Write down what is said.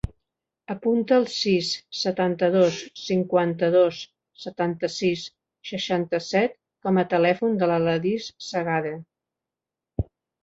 Apunta el sis, setanta-dos, cinquanta-dos, setanta-sis, seixanta-set com a telèfon de l'Aledis Segade.